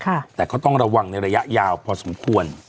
แต่ก็ต้องระวังในระยะยาวพอสมควร